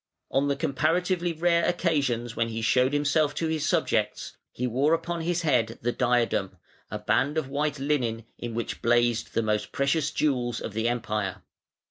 On the comparatively rare occasions when he showed himself to his subjects, he wore upon his head the diadem, a band of white linen, in which blazed the most precious jewels of the Empire.